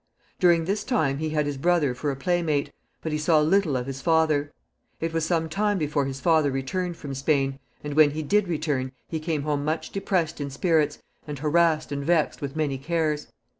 During this time he had his brother for a playmate, but he saw little of his father. It was some time before his father returned from Spain, and when he did return he came home much depressed in spirits, and harassed and vexed with many cares.